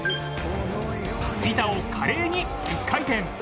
板を華麗に１回転。